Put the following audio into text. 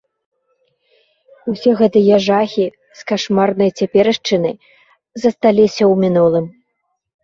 Усе гэтыя жахі з кашмарнай цяпершчыны засталіся ў мінулым.